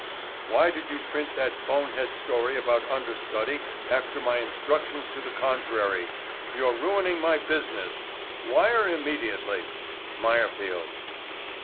WHY DID YOU PRINT THAT BONE HEAD STORY ABOUT UNDERSTUDY AFTER MY INSTRUCTIONS TO THE CON TRARY—YOU'RE RUINING MY BUSINESS —WIRE IMMEDIATELY. MEYERFIELD.